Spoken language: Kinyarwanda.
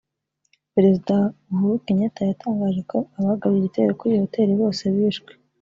Perezida Uhuru Kenyatta yatangaje ko abagabye igitero kuri iyi hotel bose bishwe